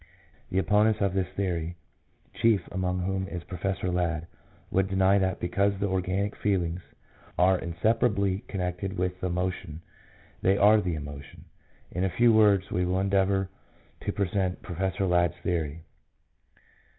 The opponents of this theory, chief among whom is Professor Ladd, would deny that because the organic feelings are inseparably connected with the emotion, they are the emotion. In a few words we will endeavour to present Professor Ladd's theory.